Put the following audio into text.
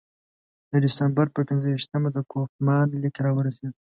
د ډسامبر پر پنځه ویشتمه د کوفمان لیک راورسېد.